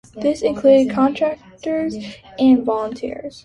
This includes contractors and volunteers.